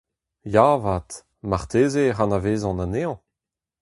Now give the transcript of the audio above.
Ya avat ; marteze ec'h anavezan anezhañ ?